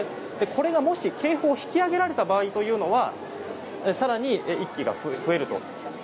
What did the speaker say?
これがもし、警報が引き上げられた場合というのは更に１機が増えると。